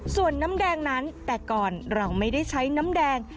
ส่วนน้ำแดงนั้นแต่ก่อนเราไม่ได้ใช้น้ำแดง